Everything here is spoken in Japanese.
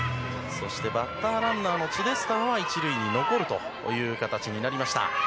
そしてバッタランナーのチデスターは１塁に残る形になりました。